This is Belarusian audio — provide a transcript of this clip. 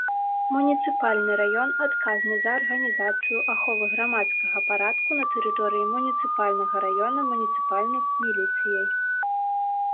Муніцыпальны раён адказны за арганізацыю аховы грамадскага парадку на тэрыторыі муніцыпальнага раёна муніцыпальнай міліцыяй.